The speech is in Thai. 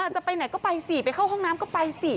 จะไปไหนก็ไปสิไปเข้าห้องน้ำก็ไปสิ